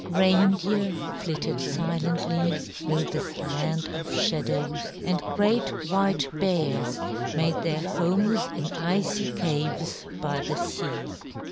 Reindeer flitted silently through this land of shadows, and great white bears made their homes in icy caves by the sea.